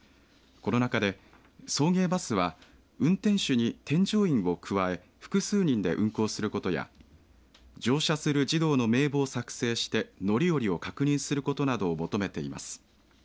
この中で、送迎バスは運転手に添乗員を加え複数人で運行することや乗車する児童の名簿を作成して乗り降りを確認することなどを求めています。